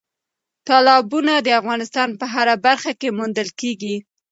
تالابونه د افغانستان په هره برخه کې موندل کېږي.